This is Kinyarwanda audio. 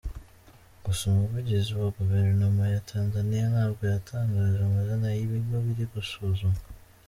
Gusa umuvugizi wa Guverinoma ya Tanzania ntabwo yatangaje amazina y’ibigo biri gusuzumwa.